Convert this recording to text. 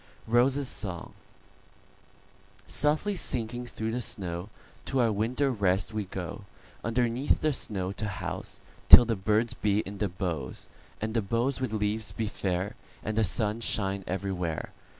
ROSES' SONG"SOFTLY sinking through the snow, To our winter rest we go, Underneath the snow to houseTill the birds be in the boughs, And the boughs with leaves be fair, And the sun shine everywhere.